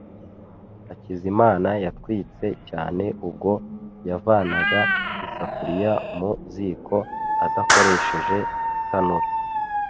Hakizimana yatwitse cyane ubwo yavanaga isafuriya mu ziko adakoresheje itanura.